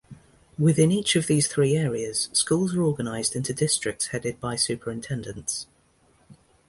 Within each of these three areas, schools are organized into districts headed by superintendents.